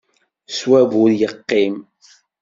Ṣṣwab ur yeqqim.